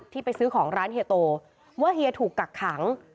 ไปซื้อของร้านเฮียโตว่าเฮียถูกกักขัง